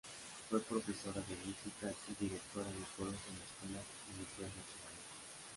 Fue Profesora de Música y Directora de Coros en Escuelas y Liceos nacionales.